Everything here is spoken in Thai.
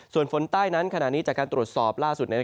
ส่วนฝนใต้นั้นขณะนี้จากการตรวจสอบล่าสุด